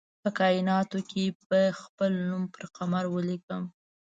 په کائیناتو کې به خپل نوم پر قمر ولیکم